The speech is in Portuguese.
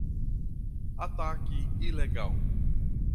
Ataque ilegal